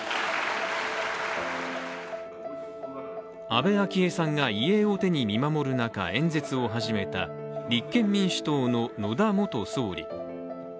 安倍昭恵さんが遺影を手に見守る中演説を始めた立憲民主党の野田元総理。